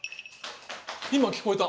今聞こえた。